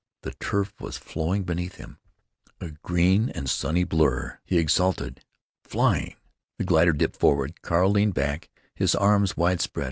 The turf was flowing beneath him, a green and sunny blur. He exulted. Flying! The glider dipped forward. Carl leaned back, his arms wide spread.